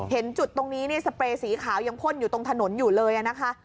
เห็นจุดตรงนี้เนี่ยสเปรย์สีขาวยังพ่นอยู่ตรงถนนอยู่เลยนะคะ